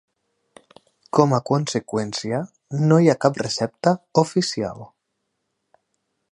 Com a conseqüència, no hi ha cap recepta "oficial".